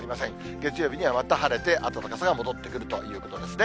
月曜日にはまた晴れて、暖かさが戻ってくるということですね。